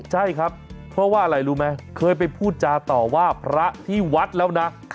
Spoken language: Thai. ใช่ครับเพราะว่าอะไรรู้ไหมเคยไปพูดจาต่อว่าพระที่วัดแล้วนะ